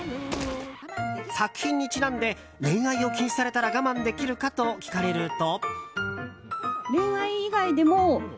作品にちなんで恋愛を禁止されたら我慢できるかと聞かれると。